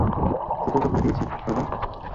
সোপর্দ করে দিয়েছি, বাবা।